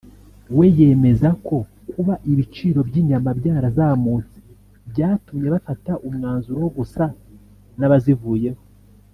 we yemeza ko kuba ibiciro by’inyama byarazamutse byatumye bafata umwanzuro wo gusa n’abazivuyeho